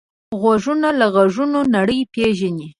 غوږونه له غږونو نړۍ پېژني